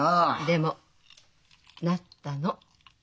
でもなったの。